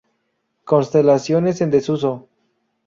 Constelaciones en desuso